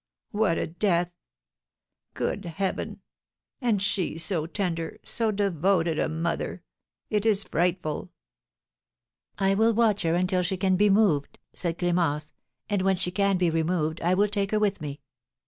'" "What a death! Good heaven! And she so tender, so devoted a mother, it is frightful!" "I will watch her until she can be moved," said Clémence, "and, when she can be removed, I will take her with me."